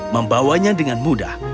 membawanya dengan mudah